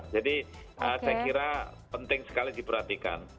jadi saya kira penting sekali diperhatikan